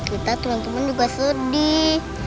kita teman teman juga sedih